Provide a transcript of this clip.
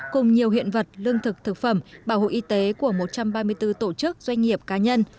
cùng nhiều hiện vật lương thực thực phẩm bảo hộ y tế của một trăm ba mươi bốn tổ chức doanh nghiệp cá nhân